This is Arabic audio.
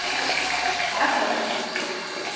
عبلة